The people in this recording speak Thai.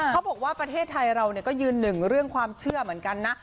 เขาบอกว่าประเทศไทยเราก็ยืนหนึ่งเรื่องความเชื่อเหมือนกันนะ